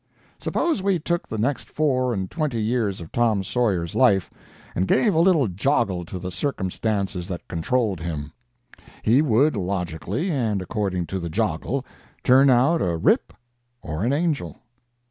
Suppose we took the next four and twenty years of Tom Sawyer's life, and gave a little joggle to the circumstances that controlled him. He would, logically and according to the joggle, turn out a rip or an angel."